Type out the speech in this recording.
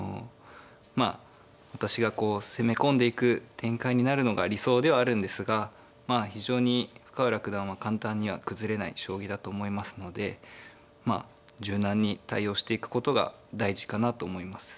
まあ私がこう攻め込んでいく展開になるのが理想ではあるんですがまあ非常に深浦九段は簡単には崩れない将棋だと思いますのでまあ柔軟に対応していくことが大事かなと思います。